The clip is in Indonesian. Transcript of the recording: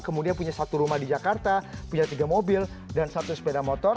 kemudian punya satu rumah di jakarta punya tiga mobil dan satu sepeda motor